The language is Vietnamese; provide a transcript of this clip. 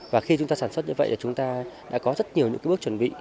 và khi chúng ta sản xuất như vậy chúng ta đã có rất nhiều bước chuẩn bị